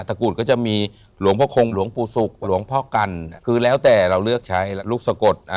กูดก็จะมีหลวงพ่อคงหลวงปู่ศุกร์หลวงพ่อกันคือแล้วแต่เราเลือกใช้ลูกสะกด